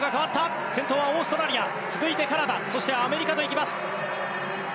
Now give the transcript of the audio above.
先頭はオーストラリア続いてカナダそして、アメリカといきます。